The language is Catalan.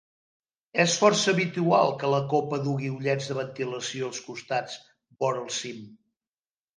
És força habitual que la copa dugui ullets de ventilació als costats, vora el cim.